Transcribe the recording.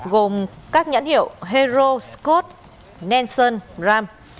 gồm các nhãn hiệu hero scott nansen ram